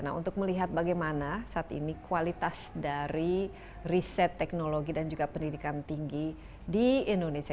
nah untuk melihat bagaimana saat ini kualitas dari riset teknologi dan juga pendidikan tinggi di indonesia